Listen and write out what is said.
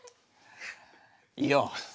いいよ。